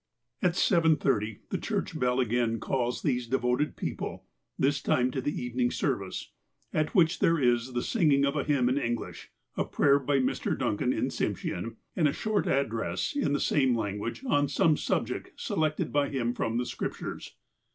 < C/5 X u THE "CHRISTIAN CHURCH" 363 At 7 : 30 the church bell again calls these devoted peo ple, this time to the evening service, at which there is the singing of a hymn in English, a prayer by Mr. Duncan in Tsimshean, and a short address in the same language on some subject selected by him from the Scriptures.